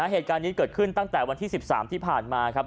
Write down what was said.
เหตุการณ์นี้เกิดขึ้นตั้งแต่วันที่๑๓ที่ผ่านมาครับ